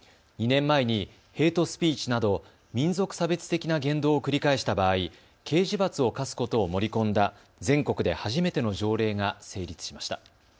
２年前にヘイトスピーチなど民族差別的な言動を繰り返した場合、刑事罰を科すことを盛り込んだ全国で初めての条例が成立しました。